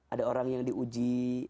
ada orang yang diuji